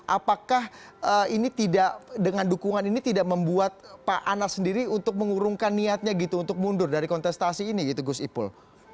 apakah ini tidak dengan dukungan ini tidak membuat pak anas sendiri untuk mengurungkan niatnya gitu untuk mundur dari kontestasi ini gitu gus ipul